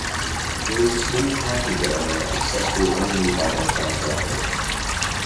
There is a small parking area accessible only by northbound traffic.